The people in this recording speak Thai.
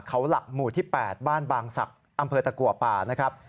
เขาหลักหมู่ที่๘บ้านบางศักดิ์อำเภอตะกัวป่านะครับ